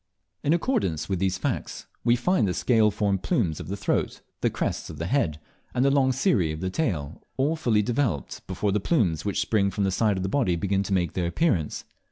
In accordance with these facts, we find the scale formed plumes of the throat, the crests of the head, and the long cirrhi of the tail, all fully developed before the plumes which spring from the side of the body begin to mane their appearance.